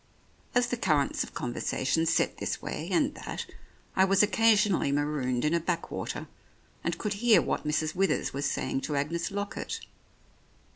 As the currents of conversation set this way and that, I was occasionally marooned in a backwater, and could hear what Mrs. Withers was saying to Agnes Lockett.